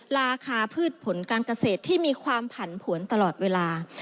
ราคาพืชผลการเกษตรที่มีความผันผวนตลอดเวลา